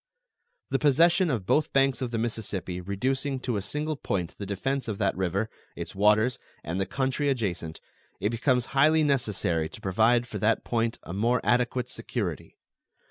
The possession of both banks of the Mississippi reducing to a single point the defense of that river, its waters, and the country adjacent, it becomes highly necessary to provide for that point a more adequate security.